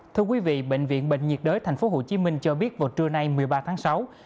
thưa quý vị bệnh viện bệnh nhiệt đới tp hcm cho biết vào trưa nay một mươi ba tháng sáu